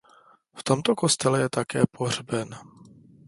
V tomto kostele je také pohřben.